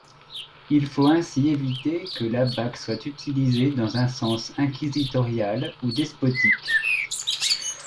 Il faut ainsi éviter que l'abaque soit utilisé dans un sens inquisitorial ou despotique.